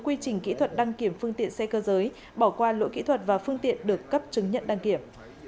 quy trình kỹ thuật đăng kiểm phương tiện xe cơ giới bỏ qua lỗi kỹ thuật và phương tiện được cấp chứng nhận đăng kiểm